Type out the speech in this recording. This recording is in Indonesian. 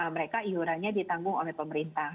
mereka iurannya ditanggung oleh pemerintah